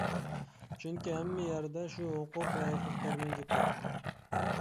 چۈنكى ھەممە يەردە شۇ ھوقۇق ۋە ھوقۇقدارنىڭ گېپى.